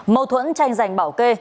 mâu thuẫn tranh giành bảo kê